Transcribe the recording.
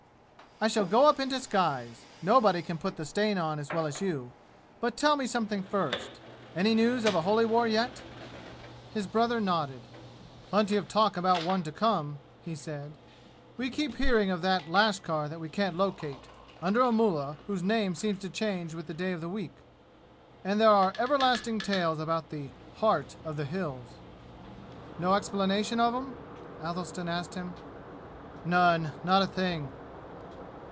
"I shall go up in disguise. Nobody can put the stain on as well as you. But tell me something first. Any news of a holy war yet?" His brother nodded. "Plenty of talk about one to come," he said. "We keep hearing of that lashkar that we can't locate, under a mullah whose name seems to change with the day of the week. And there are everlasting tales about the 'Heart of the Hills."' "No explanation of 'em?" Athelstan asked him. "None! Not a thing!"